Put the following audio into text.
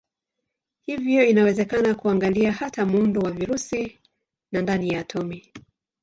Hivyo inawezekana kuangalia hata muundo wa virusi na ndani ya atomi.